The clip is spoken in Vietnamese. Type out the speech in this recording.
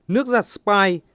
nước giặt spy